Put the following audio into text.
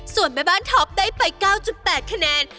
ส่วนแม่บ้านท็อปได้ไป๙๘คะแนน